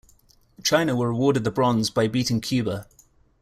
China were awarded the bronze by beating Cuba.